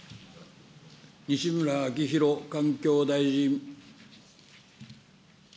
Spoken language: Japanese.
西村明宏環境大臣。